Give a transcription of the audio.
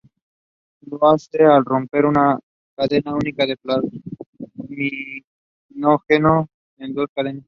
Lo hace al romper la cadena única del plasminógeno en dos cadenas.